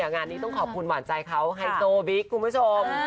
งานนี้ต้องขอบคุณหวานใจเขาไฮโซบิ๊กคุณผู้ชม